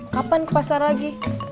kapan ke pasar lagi